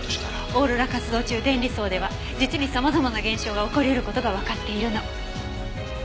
オーロラ活動中電離層では実に様々な現象が起こりうる事がわかっているの。